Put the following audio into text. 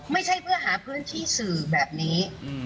ไม่ใช่เพื่อหาพื้นที่สื่อแบบนี้